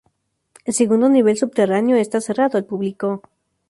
El segundo nivel subterráneo está cerrado al público.